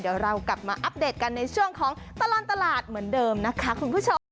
เดี๋ยวเรากลับมาอัปเดตกันในช่วงของตลอดตลาดเหมือนเดิมนะคะคุณผู้ชม